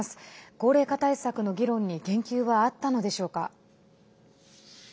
高齢化対策の議論に言及はあったのでしょうか。